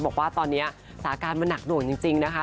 บอกว่าตอนนี้สาการมันหนักหน่วงจริงนะคะ